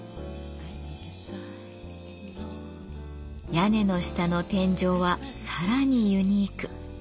屋根の下の天井はさらにユニーク。